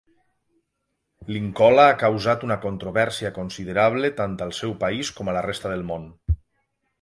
Linkola ha causat una controvèrsia considerable tant al seu país com a la resta del món.